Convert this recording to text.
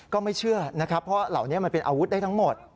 ก็ไม่เชื่อนะครับเพราะเหล่านี้มันเป็นอาวุธได้ทั้งหมด